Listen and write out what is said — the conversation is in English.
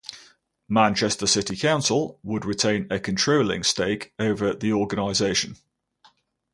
Manchester City Council would retain a controlling stake over the organisation.